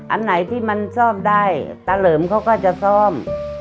อันไหนที่มันซ่อมได้ตาเหลิมเขาก็จะซ่อม